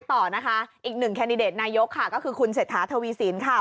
ต่อนะคะอีกหนึ่งนายกค่ะก็คือคุณเสถาธวีสินค่ะ